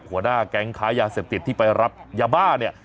หัวหน้าแก๊งค้ายาเสพติดที่ไปรับยาบ้าเนี่ย